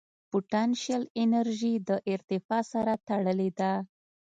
پټنشل انرژي د ارتفاع سره تړلې ده.